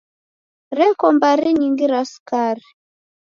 Reko mbari nyingi ra sukari.